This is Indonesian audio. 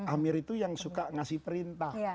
amir itu yang suka ngasih perintah